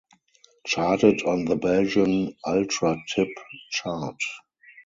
Charted on the Belgian Ultratip chart.